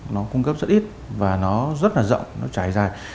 nó cung cấp rất ít và nó rất là rộng nó trải dài